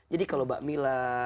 jadi kalau mbak mila